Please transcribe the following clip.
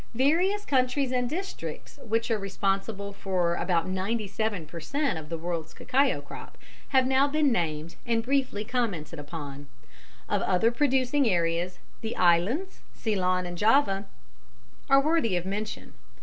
] Various countries and districts which are responsible for about 97 per cent. of the world's cacao crop have now been named and briefly commented upon. Of other producing areas, the islands, Ceylon and Java, are worthy of mention.